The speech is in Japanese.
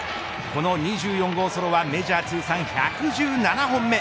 この２４号ソロはメジャー通算１１７本目。